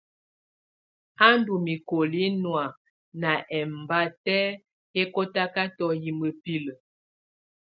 Á ndù mikoli nɔ̀á na ɛmbatɛ yɛ kɔtakatɔ yɛ mǝpilǝ.